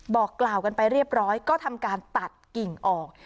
บอกกล่าวกันไปเรียบร้อยก็ทำการตัดกิ่งออก